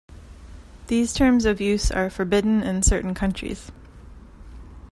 These terms of use are forbidden in certain countries.